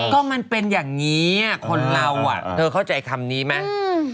ก็มันเป็นอย่างนี้คนเราอ่ะเธอเข้าใจคำนี้ไหม